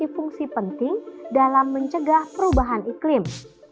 serta memiliki fungsi penting dalam mencegah perubahan iklim